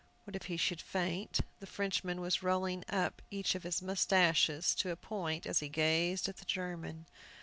What if he should faint? The Frenchman was rolling up each of his mustaches to a point as he gazed at the German.